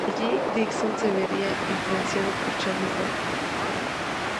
Allí Dixon se vería influenciado por Charles Brown.